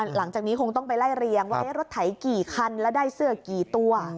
หลังจากนี้คงต้องไปไล่เรียงว่ารถไถกี่คันแล้วได้เสื้อกี่ตัว